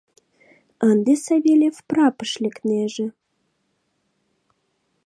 — Ынде Савельев прапыш лекнеже.